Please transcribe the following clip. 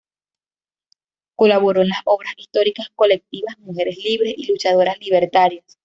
Colaboró en las obras históricas colectivas "Mujeres Libres" y "Luchadoras Libertarias".